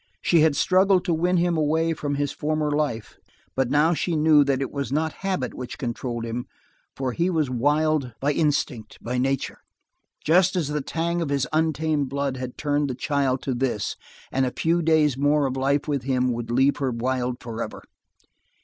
She had struggled to win him away from his former life, but now she knew that it was not habit which controlled him, for he was wild by instinct, by nature. Just as the tang of his untamed blood had turned the child to this; and a few days more of life with him would leave her wild forever.